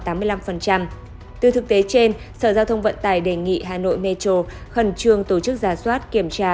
từ thực tế trên sở giao thông vận tải đề nghị hà nội metro khẩn trương tổ chức giả soát kiểm tra